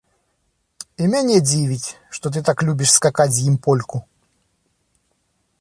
І мяне дзівіць, што ты так любіш скакаць з ім польку.